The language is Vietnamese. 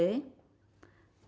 trong số những nơi này